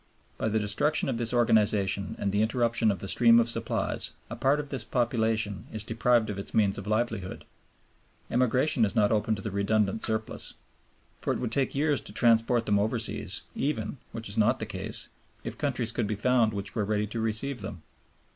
By the destruction of this organization and the interruption of the stream of supplies, a part of this population is deprived of its means of livelihood. Emigration is not open to the redundant surplus. For it would take years to transport them overseas, even, which is not the case, if countries could be found which were ready to receive them.